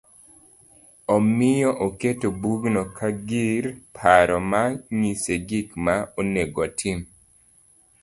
Omiyo oketo bugno ka gir paro ma nyise gik ma onego otim